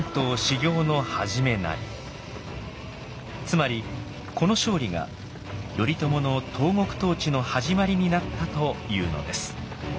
つまりこの勝利が頼朝の東国統治の始まりになったというのです。